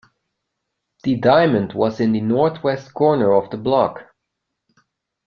The diamond was in the northwest corner of the block.